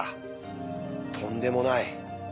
とんでもない！